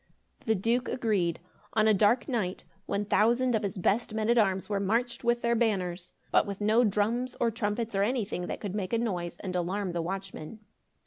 The Duke agreed. On a dark night, one thousand of his best men at arms were marched with their banners, but with no drums or trumpets, or anything that could make a noise and alarm the watchmen.